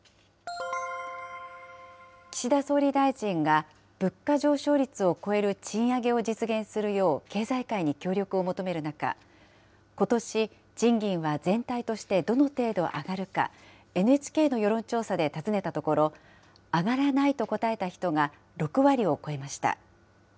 岸田総理大臣が物価上昇率を超える賃上げを実現するよう経済界に協力を求める中、ことし、賃金は全体としてどの程度上がるか、ＮＨＫの世論調査で尋ねたところ、上がらないと答えた人が６割を超えました。